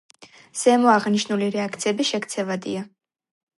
ზემოაღნიშნული რეაქციები შექცევადია.